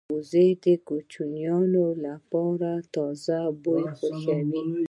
وزې د کوچنیو ماشومانو ناز خوښوي